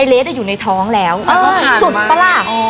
ไอเลสก็อยู่ในท้องแล้วเอออย่างก้านอือสุมประวัติ